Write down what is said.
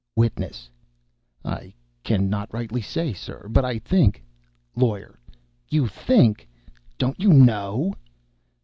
WITNESS. "I can not rightly say, sir, but I think " LAWYER. "You think! don't you know?"